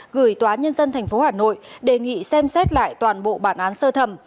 gửi tòa nhân dân tp hà nội đề nghị xem xét lại toàn bộ bản án sơ thẩm